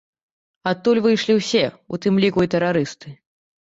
Адтуль выйшлі ўсе, у тым ліку, і тэрарысты.